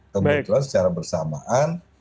kemudian secara bersamaan